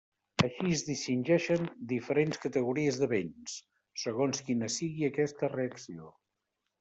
Així es distingeixen diferents categories de béns, segons quina sigui aquesta reacció.